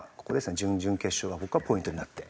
準々決勝が僕はポイントになって。